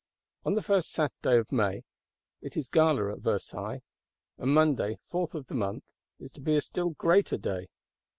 On the first Saturday of May, it is gala at Versailles; and Monday, fourth of the month, is to be a still greater day.